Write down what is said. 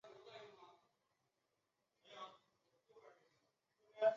螺旋曲面和悬链曲面是局部等距的曲面。